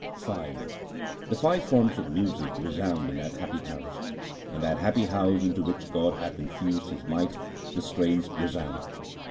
V The five forms of music resound in that happy house 1 ; In that happy house into which God hath infused His might, the strains resound.